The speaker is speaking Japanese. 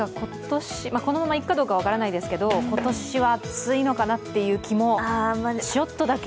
このままいくかどうか分かりませんけど今年は暑いのかなっていう気もちょっとだけ。